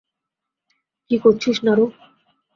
কী করছিস, নারু?